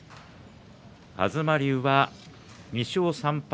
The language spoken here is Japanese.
東龍は２勝３敗。